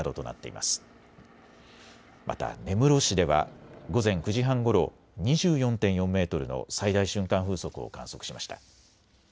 また根室市では午前９時半ごろ、２４．４メートルの最大瞬間風速を観測しました。